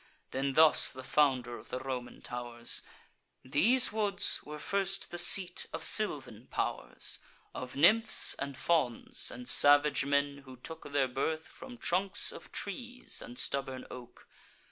Then thus the founder of the Roman tow'rs: "These woods were first the seat of sylvan pow'rs, Of Nymphs and Fauns, and salvage men, who took Their birth from trunks of trees and stubborn oak.